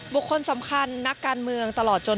บุคคลสำคัญนักการเมืองตลอดจน